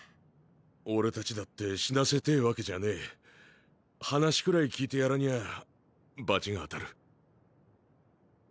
俺達だって死なせてぇわけじゃねぇ話くらい聞いてやらにゃ罰が当たる。